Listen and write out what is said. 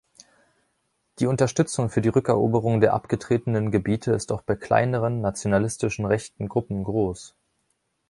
Die Unterstützung für die Rückeroberung der abgetretenen Gebiete ist auch bei kleineren nationalistischen rechten Gruppen groß.